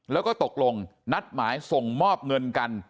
แล้วก็ตกลงนัดหมายส่งมอบเงินกัน